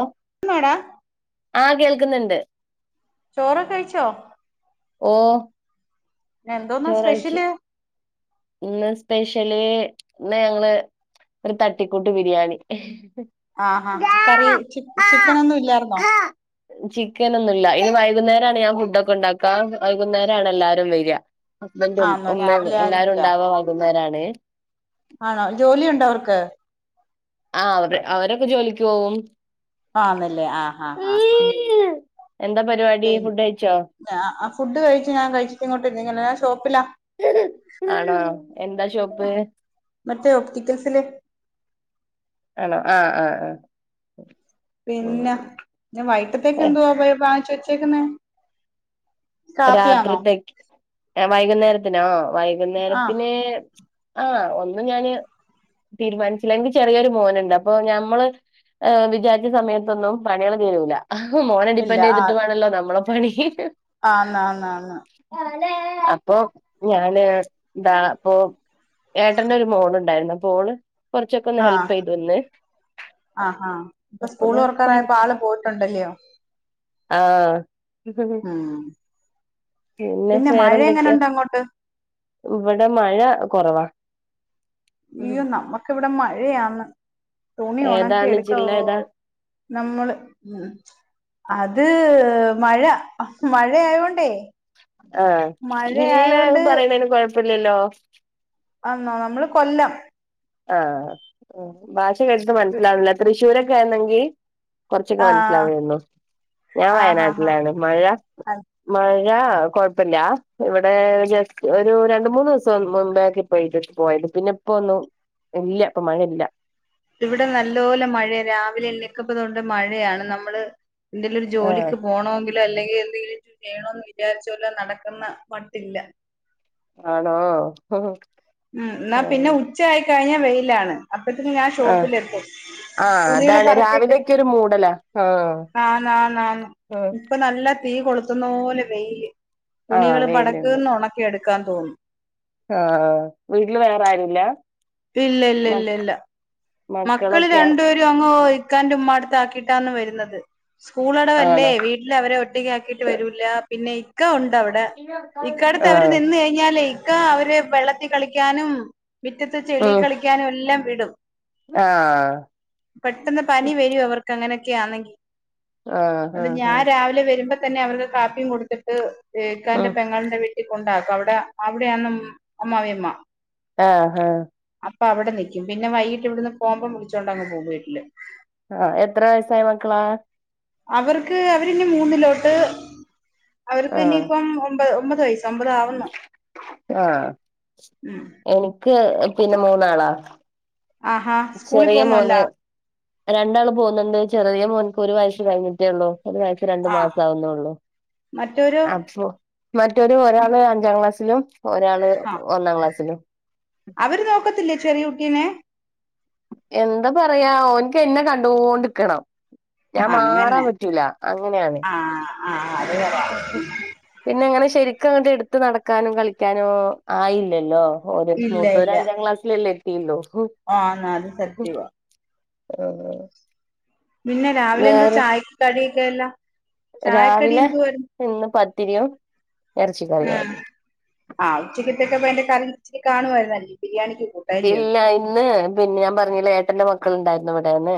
ഓ [inaudible] ഇന്നാഡാ? ആഹ് കേൾക്ക്ന്ന്ണ്ട്. ചോറൊക്കെ കഴിച്ചോ? ഓഹ്. എന്തോന്നാ സ്പെഷ്യല്? ഇന്ന് സ്പെഷ്യല് ഇന്ന് ഞങ്ങള് ഒര് തട്ടിക്കൂട്ട് ബിരിയാണി. ആഹ് ആഹ് കറി ചി ചിക്കനൊന്നും ഇല്ലാര്ന്നോ? ചിക്കനൊന്നും ഇല്ല. ഇനി വൈകുന്നേരാണ് ഞാൻ ഫുഡൊക്കെ ഇണ്ടാക്ക്. ആഹ് വൈകുന്നേരാണ് എല്ലാരും വര. ഹസ്ബൻറും ആന്നോ ഉമ്മേം രാവിലെ എല്ലാരും ആരുല്ല ഇണ്ടാവ വൈകുന്നേരാണ്. ആണോ ജോലിയുണ്ടോ അവർക്ക്? ആഹ് അവര് അവരൊക്കെ ജോലിക്ക് പോവും. ആന്ന്ലേ ആഹ് ഹാ ഹാ ഹാ. എന്താ പര്വാടി ഫുഡ്ഡഴിച്ചോ? ഞാ ആഹ് ഫുഡ് കഴിച്ച് ഞാൻ കഴിച്ചിട്ട് ഇങ്ങോട്ട് നീങ്ങളാ, ഞാ ഷോപ്പിലാ. ആണോ എന്താ ഷോപ്പ്? മറ്റേ ഓപ്റ്റിക്കൽസ്‌ല്. ആണോ ആഹ് ആഹ് ആഹ്. പിന്നെ ആഹ് വൈട്ട്ത്തേക്കെന്തോവാ വെയ് വാങ്ങിച്ച് വെച്ചേക്കുന്നെ? രാത്രിത്തേക്ക് വൈകുന്നേരത്തിനോ ആഹ് വൈകുന്നേരത്തിന് ആഹ് ഒന്നുംഞാന് തീരുമാൻച്ചില്ല എനിക്ക്ചെറിയൊരുമോന്ണ്ട് അപ്പൊഞമ്മള് ഏഹ് വിചാര്ച്ച സമയത്തൊന്നുംപണികള്തീരൂല. ആഹ് ഇല്ല മോനെഡിപ്പെന്റെയ്തിട്ട് വേണല്ലോനമ്മളെപണി ആന്നാന്നാന്ന് അപ്പൊ ഞാന് ഇതാപ്പൊ ഏട്ടന്റെഒരുമോള്ണ്ടായ്രുന്നു അപ്പോള്കൊറച്ചൊക്കൊന്ന് ആഹ് ഹെൽപ്പെയ്തന്ന് ആഹ് ആഹ് ഇപ്പൊസ്കൂള്തൊറക്കാറായപ്പോ ആള്പോയ്ട്ടുണ്ടല്ല്യോ ആഹ് ഉം പിന്നെ മഴ വേറെന്തൊക്ക്യ. എങ്ങനുണ്ട് അങ്ങോട്ട് ഇവ്ടെ മഴകൊറവാ. ഇയ്യോ നമ്മക്ക് ഇവ്ടെ മഴയാണ്. തുണി ഏതാണ് ഒണക്കിഎടുക്ക്വാ. ജില്ല ഏതാ നമ്മള് ഉം അത് മഴ മഴയായോണ്ടേയ്. ആഹ്. ഇല്ല എന്ന് പറയുന്നേന് കൊഴപ്പല്ലല്ലോ. ആന്നൊ നമ്മള് കൊല്ലം. ആഹ്. ഭാഷകേട്ട്ട്ട് മൻസ്സിലാവ്ണില്ല. തൃശ്ശൂരൊക്കെ ആണെങ്കി കൊറച്ചൊക്കെ ആഹ് മൻസ്സിലാവേര്ന്നു. ഞാൻ ആഹ് ആഹ് വയനാട്ടിലാണ് മഴ ആഹ് മഴകൊഴപ്പല്ല. ഇവിടെ ജസ്റ്റ് ഒരുരണ്ട്, മൂന്ന്സ്സം മുമ്പേകി പെയ്ത്ട്ട് പോയത്. പിന്നെ ഇപ്പവന്നു. ഇല്ല്യ. ഇപ്പമഴല്ല. ഇവിടെ നല്ലോലെ മഴെ. രാവിലെ എണ്ണിക്ക്മ്പോതൊട്ട് മഴയാണ്. നമ്മള് എന്തെലൊരു ആഹ് ജോലിക്ക് പോണോങ്കി ഇല്ല. ഇല്ലെങ്കി എന്തെങ്കിലും വേണോന്ന് വിചാരിച്ചോലെ നടക്കുന്ന മട്ടില്ല. ആണോ. ഉം. ഇന്നാ പിന്നെ ഉച്ചായിക്കഴിഞ്ഞാ വെയ്ലാണ്. അപ്പത്തിന് ഞാൻ. ആഹ് ഷോപ്പ്ലെത്തും തുണി [unintelligible] ക്കെരുമൂടലാ. ആഹ്. ആന്നാന്നാന്നാന്ന്. ആഹ് ഇപ്പം നല്ല തീ കൊള്ത്തുന്നോലെ വെയ്ല്. ആഹ് തുണികള് വെയിലുണ്ട് ബട്ക്ക്ന്ന് ഒണക്കിയെടുക്കാൻതോന്നും. ആഹ്. വീട്ടില് വേറാരുല്ല? ഇല്ലല്ലല്ലല്ല. മക്കള് മക്കളൊക്കെയാ രണ്ടുപേരും അങ്ങോ ഇക്കാന്റെ ഉമ്മാട്ത്താക്കിട്ടാന്ന് വെരുന്നത്. സ്കൂളടവല്ലേ. ആണോ വീട്ട്ലവരെ ഒറ്റക്കാക്കീട്ട് വരൂല. പിന്നെഇക്കഉണ്ട്അവിടെ ഇക്കാട്ത്തെ ആഹ് അവര്നിന്ന് ഴിഞ്ഞാലെയ് ഇക്ക അവരെ വെള്ളത്തീകളിക്കാനും, ഉം മിറ്റത്ത്ചെളികളിക്കാനും, എല്ലാംവിടും. ആഹ്. പെട്ടെന്ന്പനി വരും. അവർക്ക് അങ്ങനെക്കെയാണ്. ആഹ് ഇന്നട്ട് ആഹ് ഞാൻ ആഹ് രാവിലെ വര്മ്പ തന്നെ അവരുടെകാപ്പിയുംകൊട്ത്തിട്ട് ഉം ഇക്കാന്റെ പെങ്ങൾന്റെവീ കൊണ്ടാക്കും. അവിടെ അവിടെ യാന്നം അമ്മായിമ്മ. ആഹ്. ആഹ്. അപ്പ അവ്ടെ നിക്യും. പിന്നെ വൈകീട്ട് ഇവ്ട്ന്ന് പോമ്പോം വിളിച്ചോണ്ടങ്ങ് പോകുംവീട്ടില്. ആഹ് എത്രവയസ്സായ മക്കളാ? അവർക്ക് അവര് ഇനി മൂന്നിലോട്ട്. അവർക്ക് ആഹ് ഇനിയിപ്പം ഒമ്പത് ഒമ്പത് വയസ്സ് അമ്പതാവുന്നു. ആഹ്. എനിക്ക് പിന്നെമൂന്നാളാ. ആഹാ സ്കൂളിൽ പോകുന്നല്ല ചെറിയമോന്. രണ്ടാള് പോവ്ന്നുണ്ട്. ചെറിയമോൻക്ക് ഒരുവയസ്സ് കഴിഞ്ഞിട്ടേ ഒള്ളു. ഒരുവയ ആ രണ്ട്മാസാവുന്നൊള്ളു. മറ്റൊരു അപ്പൊ. മറ്റോന് ഒരാള്അഞ്ചാംക്ലാസ്സിലും, ആ ഒരാള്ഒന്നാംക്ലാസ്സിലും. അവര് നോക്കത്തില്ലേ ചെറിയ കുട്ടിനെ. എന്താ പറയാ. ഓന്ക് എന്നെ കണ്ടോണ്ട്ക്കണം. ഞാൻ മാറാൻ പറ്റൂല. അങ്ങനെയാണ്. ആഹ് അത് [unintelligible] പിന്നെ അങ്ങനെ ശെരിക്കും അങ്ങട്ട് ഇടുത്ത് നടക്കാനും കളിക്കാനും ആയില്ലല്ലോ. ഓര് ഇല്ല മൂത്തോര് അഞ്ചാം ക്ലാസിലെല്ലെ എത്തീള്ളു ആന്ന് അത് സത്യവാ [unintelligible] പിന്നെ രാവിലെ എന്താ വേറെ ചായെക്ക് കടിയെക്കെ എല്ലാ രാവിലെ ഇന്ന് പത്തിരിയും എറെച്ചി കറിയു ആഹ് ആയിര്ന്നു ആഹ് ഉച്ചക്ക്യത്തേക്ക് അപ്പ അയ്ന്റെ കറി ഇച്ചിരി കാണുവതായ്രിക്ക്യും ബിരിയാണിക്ക്യ് ഇല്ല ഇന്ന് പിന്നെ ഞാൻ പറഞ്ഞില്ലേ ഏട്ടെന്റെ മക്കള്ണ്ടായ്ര്ന്നു വെടേന്ന്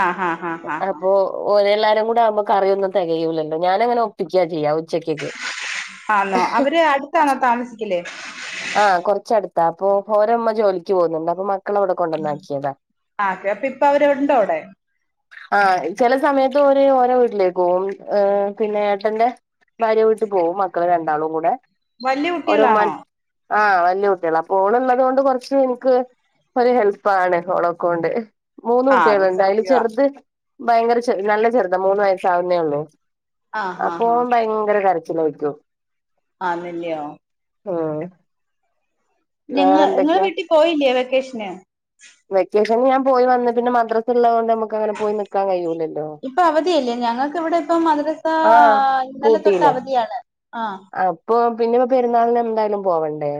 അഹ് ആഹ് ഹാ ഹാ ഹാ അപ്പോ ഓലെല്ലാരും കൂടെ ആക്മ്പാെ കറിയൊന്നും തെകയൂലല്ലോ ഞാനങ്ങെനെ ഒപ്പിക്ക്യാ ചെയ്യാ ഉച്ചക്ക്യേക്ക് ആന്നോ അവര് അടുത്താണോ താമസിക്കല് ആഹ് കൊറച്ചട്ത്താ അപ്പോ ഓരെമ്മ ജോലിക്ക്യ് പോവ്ന്ന്ണ്ട് അപ്പൊ മക്കളെവെടെ കൊണ്ടന്നാക്ക്യെതാ ആഹ് ഓക്കെ അപ്പ ഇപ്പവെര് ഉണ്ടോവ്ടെ ആഹ് ചെലെ സമയെത്ത് ഓര് ഓരെ വീട്ട്ലേക്ക് പോവും ഏഹ് പിന്നെ ഏട്ടെന്റെ ഭാര്യ വീട്ട് പോവും മക്കള് രണ്ടാളും കൂടെ വല്യ ഓരെ ഉമ്മാ കുട്ടികളാണോ ആഹ് വല്യ കുട്ട്യാളാ അപ്പോള്‌ള്ളെത് കൊണ്ട് കാെർച്ച് ഇൻക്ക് ഒര് ഹെൽപ്പാണ് ഓളാെക്കോണ്ട് മൂന്ന് ആഹ് അത് കുട്ട്യേള്ണ്ട് അയ്ല് സത്യവാ ചെർ ത് ഭയങ്കര ചെ നല്ല ചെർതാ മൂന്ന് വയസ്സാവുന്നേ ഒള്ളൂ ആഹ് ഹാ അപ്പൊ ഹാ ഓൻ ഭയ്ങ്കെര കരച്ചിലേയ്ക്ക്യും ആഹ് നിന്ന്യോ ഊം നിങ്ങ ഇങ്ങെള് വീട്ടി പോയില്ല്യേ വെക്കേഷ്ന് വെക്കേഷൻന് ഞാൻ പോയി വന്ന് പിന്നെ മദ്രസ്ള്ളെത് കൊണ്ട് അമ് ഇപ്പം അവധിയെല്ലേ ഞങ്ങക്ക്വ്ടെ ഇപ്പം മദ്രസാ ആഹ് ഇന്നലെ തൊട്ട് പൂട്ടിയില്ലേ അവധിയാണ് ആഹ് അപ്പൊ പിന്നെപ്പാെ പെര്ന്നാൾന് എന്തായാലും പോവെണ്ടേ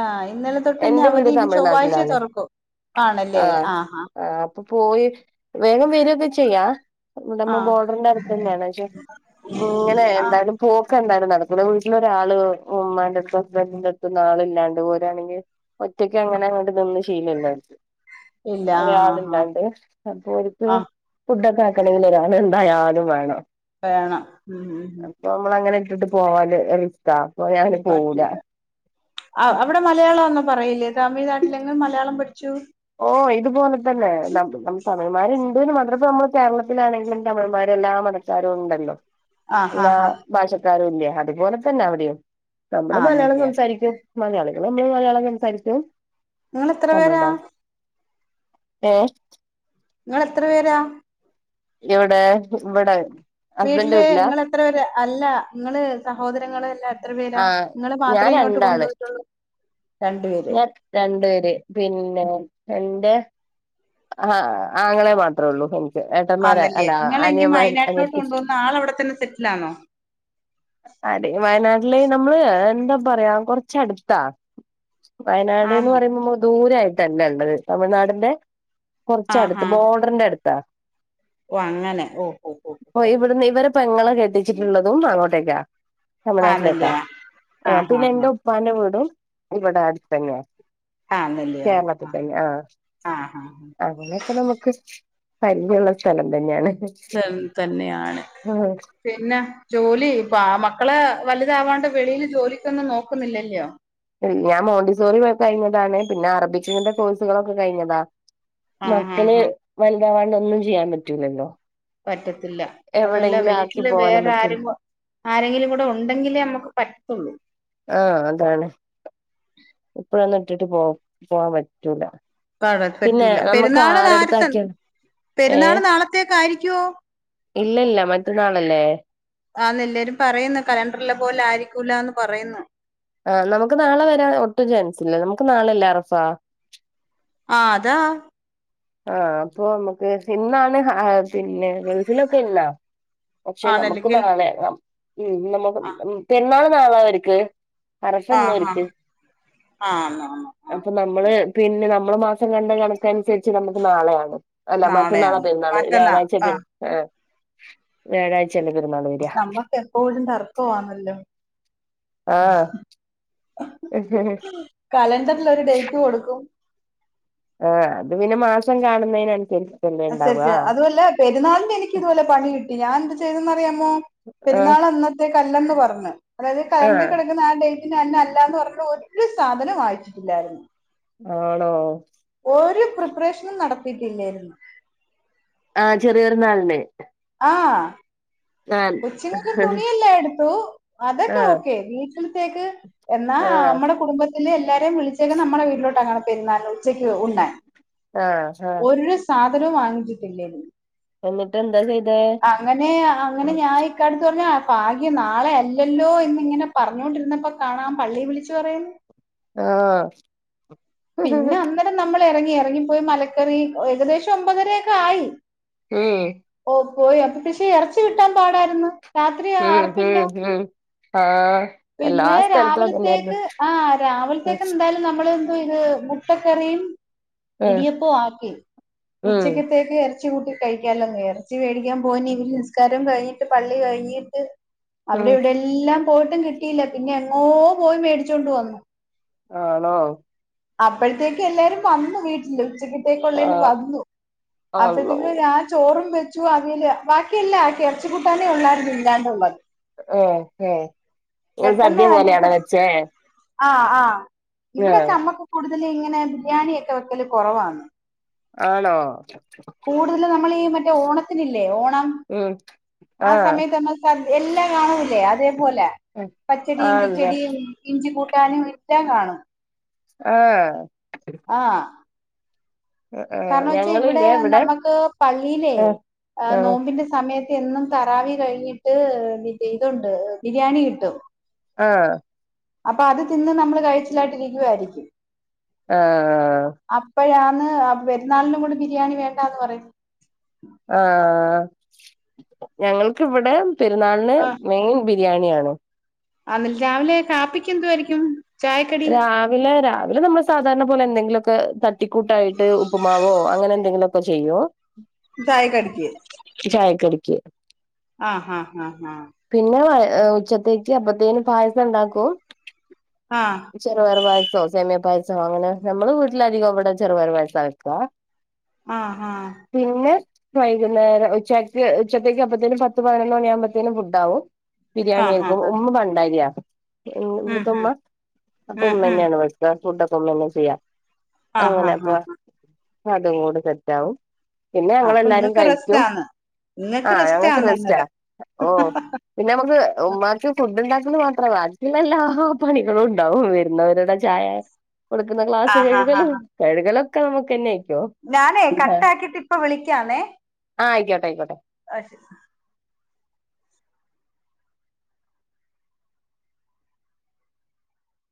ആഹ് ഇന്നലെ തൊട്ട്ഞ്ഞവധി ഇനി ചൊവ്വാഴ്ച്ചേ തമിഴ്നാട്ടിലാണ് തൊറക്കു ആണല്ലേ ആഹ് ഹാഹ് അപ്പൊ പോയി വേഗം വെരൊക്കെ ചെയ്യാ ആഹ് ടമ്മെ ആഹ് ബോർഡെർന്റെ അട്ത്തെന്നേണ് ക്ഷേ ഇങ്ങെനെ ആഹ് എന്തായാലും പോക്ക് എന്തായാലും നട ക്കൂലാ വീട്ട്ലൊരാള് ഉമ്മാന്റെട്ത്തും ഹസ്ബെന്റിന്റെട്ത്തൊന്നും ആള്ല്ലാണ്ട് പോരാണെങ്കി ഒറ്റക്ക്യങ്ങനെ അങ്ങെട്ട് ന്‌ന്ന് ശീലല്ലാേൽക്ക് ഇല്ല ആഹ് ആഹ് ഒരാള്ല്ലാണ്ട് അപ്പോൽക്ക് ആഹ് ഫുഡ്ഡാെക്കെ ആക്കെണെങ്കി ഒരാള് എന്തായാലും വേണം വേണം ഉം ഉം നമ്മളങ്ങെനെ ഇട്ടിട്ട് പോവാല് റിസ്ക്കാ അപ്പൊ ഞാൻ [unintelligible] പോവൂലാ [unintelligible] മലയാളോന്നും പറയില്ലേ തമിഴ്നാട്ട്ലെങ്കും മലയാളം പഠ്ച്ചു ഓഹ് ഇത്പോലെ തന്നെ നം നം തമിഴ്മാര്ണ്ട്ന്ന് മാത്രം പ്പം നമ്മള് കേര്ളത്തിലാണെങ്കിലും തമിഴമ്മാര് എല്ലാം മത ക്കാരും ഉണ്ടല്ലാെ ആഹ് എല്ലാ ആഹ് ആഹ് ഭാഷക്കാരൂല്ല്യേ അതുപോലെ തന്നെ അവ്ടെയും നമ്മെള് ആഹ് മലയാളം ഒന്നുംല്ല സംസാരിക്ക്യും മലയാളികള് നമ്മെള് മലയാളം സംസാരിക്ക്യും ഇങ്ങെളെത്ര പേരാ ഏഹ് ഇങ്ങെളെത്ര പേരാ എവ്ടേ വെടേ വീട്ട്ല് ഇങ്ങെളെത്ര പേരാ അല്ലാ ഇങ്ങെള് സഹോദരങ്ങളെല്ലാം ത്ര പേരാ ആ ഇങ്ങെള് ഞാൻ മത്രേ ഇങ്ങോട്ട് രണ്ടാള് കൊണ്ടോയ്ട്ടൊള്ളു ഞാൻ രണ്ട് പേര് പിന്നെ എന്റെ ആഹ് ആങ്ങള മാത്രേ ഒള്ളൂ ഏട്ടന്മാരാ ആന്നല്ലേ അല്ലാ നിങ്ങള് ഇനി അനിയമ്മാര്, വയനാട്ടിലോട്ട് അനിയത്തി കൊണ്ടുവന്ന ആള് അവിടെ തന്നെ സെറ്റിൽ ആണോ അതെ വയനാട്ടില് നമ്മള് എന്താ പറയാ കൊർച്ചട്ത്താ വയനാട്ന്ന് ആണോ പറയുമ്പോ ദൂരെ ആയിട്ടല്ല ഇള്ളത് തമിഴ്നാടിന്റെ കൊർച്ചടുത്ത് ബോഡ്ർന്റെ അടുത്താ ഓഹ് അങ്ങനെ ഓഹ് ഓഹ് ഓഹ് ഓഹ് ഇവിടുന്ന് ഇവരെ പെങ്ങളെ കെട്ടിച്ചിട്ടുള്ളതും അങ്ങോട്ടേക്കാ തമിഴ്നാട്ടിലോട്ട ആന്നല്ലിയോ ആഹ് പിന്നെ ഇന്റെ ഉപ്പാന്റെ വീടും ഇവടെ അടുത്തന്നെ കേരളത്തിൽ തന്നെ ആഹ് ആഹ് ആഹ് അതിലൊക്കെ നമുക്ക് പരിജയള്ള സ്ഥലം തന്നെണ് ച്ചം തന്നെയാണ് പിന്നെ ജോലി ഇപ്പ മക്കള് വലുതാവാണ്ട് വെളിയില് ജോലിക്കൊന്നും നോക്കുന്നില്ലല്ലയോ ഞാൻ മോണ്ടിസോറി കഴിഞ്ഞതാണ് പിന്നെ അറബിച്ചിന്റെ കോഴ്സുകളൊക്കെ കഴിഞ്ഞതാ ആഹ് മക്കള് ആഹ് ആഹ് വൽതാവാണ്ട് ഒന്നും ചെയ്യാൻ പറ്റൂലല്ലോ പറ്റത്തില്ല അതോല്ല എവിടെയെങ്കിലും ആക്കി വീട്ടില് പോവാനും വേറെ പറ്റൂല ആരും കോ ആരെങ്കിലും കൂടെ ഒണ്ടങ്കിലെ അമ്മക്ക് പറ്റ് ത്തോള്ളൂ ആഹ് അതാണ് എപ്പഴെന്നും ഇട്ടിട്ട് പോ പോവാൻ പ പറ്റൂല്ല പാടാൻ പിന്നെ പറ്റൂല നമ്മക്ക് പെരുന്നാള് നേരത്തെ ആരെട്ത്താക്കിയാലും ഏഹ് പെരുന്നാള് നാളത്തേക്ക് ആയിരിക്കുവോ ഇല്ലല്ല മറ്റന്നാളല്ലേ ആന്ന് എല്ലരും പറയുന്നു കലണ്ടർലെ പോലെ ആയിരിക്കൂലാന്ന് പറയുന്നു ആഹ് നമുക്ക് നാളെ വരാൻ ഒട്ടും ചാൻസില്ല നമുക്ക് നാളെല്ലേ അറഫ ആഹ് അതാ ആഹ് അപ്പൊ നമ്മക്ക് ഇന്നാണ് പിന്നെ ഗൾഫിലൊക്കെ ഇന്നാ പക്ഷെ നമുക്ക് ആണല്ലെങ്കിൽ നാളെണ് ഉം നമ്മ പെരുന്നാള് നാളെ അവർക്ക് അറഫ ആഹ് ഇന്ന് ആഹ് ഓര്ക്ക് ആന്ന് ആന്ന് ആഹ് അപ്പം നമ്മള് പിന്നെ നമ്മള് മാസം കണ്ട കണക്കനുസര് ച്ച് നമുക്ക് നാളെയാണ് അല്ല മറ്റന്നാള നാളെയാണ് പെരുന്നാള് മറ്റന്നാ വ്യാഴാഴിച്ച പെര് ആഹ് വ്യാഴാഴ് ചെറിയ പെരുന്നാള് വെരാ നമ്മക്ക് എപ്പോഴും തർക്കമാണല്ലോ ആഹ് ഉ ഉ കലണ്ടറിൽ ഒരു ഡേറ്റ് കൊടുക്കും ആഹ് അത് പിന്നെ മാസം കാണുന്നതിനൻസരിച്ച് അൻസരിച്ച് അതുവല്ല പെരുന്നാളിന് എനിക്ക് ഇതുപോലെ പണി കിട്ടി ഞാൻ എന്ത് ചെയ്തെന്ന് അറിയാമോ? ആ പെരുന്നാള് അന്നത്തേക്ക് അല്ലന്ന് പറഞ്ഞ് അതായത് കലണ്ടറ് ആഹ് കേടക്കുന്ന ആ ഡേ പിന്നെ അന്ന് അല്ലാന്ന് [unintelligible] ഒരു സാധനം വാങ്ങിച്ചിട്ടില്ലായിരുന്നു ആണോ ഒരു പ്രിപ്പറേഷനും നടത്തിട്ടില്ലായിരുന്നു ആഹ് ചെറിയ പെരുന്നാൾന് ആഹ് കൊച്ചിങ്ങക്ക് തുണിയല്ലാം എടുത്തു അതൊക്കെ ആഹ് ഓക്കെ വീട്ടിൽത്തേക്ക് എന്നാ ആഹ് അമ്മടെ കുടുംബ ത്തിലെ എല്ലാരേം വിളിച്ചേക്ക്ന്നെ അമ്മടെ വീട്ടിലോട്ട [unintelligible] പെരുന്നാൾന് ഉച്ചക്ക് ഉണ്ണാൻ ആഹ് ആഹ് ഒരു സാധനവും വാങ്ങിച്ചിട്ടില്ലേ എന്നിട്ട് എന്താ ചെയ്തേ അങ്ങനെ ആ ഇക്കാട്ത്ത് പറഞ്ഞ ഫാഗ്യം നാളെ അല്ലല്ലോ എന്നിങ്ങനെ പറഞ്ഞോണ്ടിരുന്നപ്പോ കാണാം പള്ളി വിളിച്ചു പറയുന്നു ആഹ്. പിന്നെ അന്നേരം നമ്മൾ ഇറങ്ങി ഇറങ്ങിപ്പോയി മലക്കറി ഏകദേശം ഒമ്പതരയൊക്കെ ആയി. മ് ഓ പോയി അപ്പൊ പക്ഷെ ഇറച്ചി കിട്ടാൻ പാടായിരുന്നു രാത്രി ഉം അറപ്പില്ല. ഉം ഉം ആഹ്. എല്ലാ പിന്നെ സ്ഥലത്തും അതന്നെയായിരുന്നു രാവിലത്തേക്ക് ആഹ് രാവിലത്തേക്ക് എന്തായാലും നമ്മള് എന്തുവാ ഇത് മുട്ടക്കറീം ആഹ് ഇടിയപ്പവും ആക്കി ഉം ഉച്ചക്കത്തേ എറച്ചിക്കൂട്ടി കഴിക്കാല്ലോന്ന് എറച്ചി മേടിക്കാൻ പോവാൻ എനിക്ക് നിസ്കാരം കഴിഞ്ഞിട്ട് പള്ളി കഴിഞ്ഞിട്ട് ഉം അവിടെം ഇവിടെം എല്ലാം പോയിട്ടും കിട്ടിയില്ല പിന്നെ എങ്ങോ പോയി മേടിച്ചൊണ്ട് വന്നു. ആണോ? അപ്പോഴത്തേക്ക് എല്ലാരും വന്ന് വീട്ടിൽ ഉച്ചക്കക്ക് ത്തേക്ക് ഉള്ളേന് ആഹ് വന്നു അള്ളോ അപ്പോത്തേും ഞാൻ ചോറും വ ച്ചു ആക്കിയല്ലാ ഭാക്കി എല്ലാം ആക്കി എറച്ചി കൂട്ടാനെ ഒള്ളായിരുന്നു ഇല്ലാണ്ടുള്ളെ. ഏഹ് ഏഹ് സദ്യ പോലെയാണ വെച്ചേ? ആഹ് ആഹ് ആഹ് ഇവിടൊക്കെ അമ്മക്ക് കൂടുതല് ഇങ്ങനെ ബിരിയാണിയൊക്കെ വെക്കല് കൊറവാണ്. ആണോ? കൂടുതല് നമ്മൾ ഈ മറ്റേ ഓണത്തിനില്ലേ ഓണം ഉം ആ ആഹ് സമയത്ത് അമ്മ എല്ലാം കാണൂലേ അതേപോലെ പച്ചടിയും ആണല്ലേ കിച്ചടിയും ഇഞ്ചി കൂട്ടാനും ഇറ്റൻ കാണും. ആഹ്. ആഹ്. ആഹ് കാരണം വെച്ചാ ഇവിടെ ഞങ്ങളില്ലേ നമുക്ക് പള്ളിയിലെ ആഹ് ആഹ് നോമ്പിന്റെ സമയ ത്ത് എന്നും തറാവി കഴിഞ്ഞിട്ട് തിന്റെ ഇതുണ്ട് ബിരിയാണി കിട്ടും. ആഹ്. അപ്പൊ അത് തിന്ന് നമ്മള് കഴിച്ചിലായിട്ട് ഇരിക്കുവായിരിക്കും. ആഹ്. അപ്പോഴാന്ന് ആ പെരുന്നാളിനും കൂടി ബിരിയാണി വേണ്ടാന്ന് പറുയുന്നു. ആ ഞങ്ങൾക്ക് ഇവിടെ പെരുന്നാളിന് മെയിൻ ബിരിയാണി ആണ്. അ ഇന്നല് രാവിലെ കാപ്പിക്ക് എന്തുവായിരിക്കും? ചായക്കടി രാവ് വിലെ രാവിലെ നമ്മള് സാധാരണ പോലെ എന്തെങ്കിലും ഒക്കെ തട്ടിക്കൂട്ടായിട്ട് ഉപ്പുമാവോ അങ്ങനെ എന്തെങ്കിലും ഒക്കെ ചെയ്യും ഉം തായക്കെടയ്ക്ക്. ചായ കടിക്ക്. ആഹ് ഹ ഹ ഹ. പിന്ന വള് ഉച്ചത്തേക്ക് അപ്പത്തേനും പായസം ഇണ്ടാക്കൂം. ആഹ്. ചെറുപയറ് പായസോ സേമിയ പായസോ അങ്ങനെ നമ്മള് വീട്ടിലധികം ഇവിടെ ചെറുപയറ് പായസം വെക്കുക. ആഹ് ഹ. പിന്നെ വൈകുന്നേരം ഉച്ചക്ക് ഉച്ചത്തേക്ക് അപ്പത്തേനും പത്ത് പതിനൊന്ന് മണിയ ആവുമ്പത്തേനും ഫുഡ് ആവും. ആഹ് ബിരിയാണി ആഹ് ആഹ് ആഹ് ആക്കും ആഹ് ആഹ് ഉമ്മ ഭണ്ടാരിയാ ഇ ഉം ഇവിടുത്തെ ഉമ്മ. അപ്പൊ ഉം ഉം ഉമ്മ ഉം ന്നെയാണ് വെക്ക ഫുടൊക്കെ ഉമ്മന്നെ ചെയ്യ ആഹ് അങ്ങനെ ആഹ് അപ്പ- ആഹ് ഞ അതും കൂടെ സെറ്റാവും പിന്നെ അപ്പൊ ഞങ്ങളെല്ലാരും ഇങ്ങക്ക് കഴിക്കും റെസ്റ്റാന്ന് ഇങ്ങക്ക് ആഹ ഞങ്ങൾക്ക് റെസ്റ്റാന്ന് റെസ്റ്റാ അന്നേരം ഓ- പിന്നെ നമക്ക് ഉമ്മാക്ക് ഫുഡ് ഉണ്ടാക്കല് മാത്രവാ വാക്കിള്ള എല്ലാ പണികളും ഉണ്ട്. ഉണ്ടാവും വരുന്നവരുടെ ചായ കൊടുക്കുന്ന ക്ലാസ് ആഹ് ആഹ് കഴുകലും കഴുകലൊക്കെ ന്നമുക്കെനെ ഞാനെ കട്ടാക്കിട്ട് ഇപ്പ വിളിക്കാന്നേ ആയിക്കോട്ടെ ആയിക്കോട്ടെ